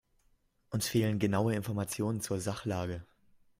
Uns fehlen genaue Informationen zur Sachlage.